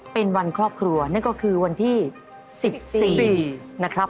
เป็นวันครอบครัวนั่นก็คือวันที่๑๔นะครับ